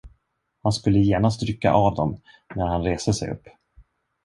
Han skulle genast rycka av dem, när han reste sig upp.